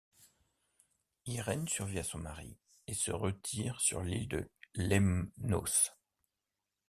Irène survit à son mari et se retire sur l'île de Lemnos.